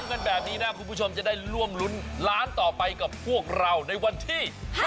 กันแบบนี้นะคุณผู้ชมจะได้ร่วมรุ้นล้านต่อไปกับพวกเราในวันที่๕